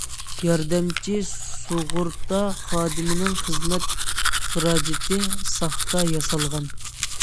ياردەمچى سۇغۇرتا خادىمىنىڭ خىزمەت خىراجىتى ساختا ياسالغان.